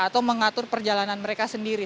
atau mengatur perjalanan mereka sendiri